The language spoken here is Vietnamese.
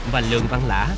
và lường văn lã